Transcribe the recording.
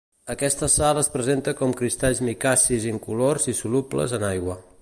Aquesta sal es presenta com cristalls micacis incolors i solubles en aigua.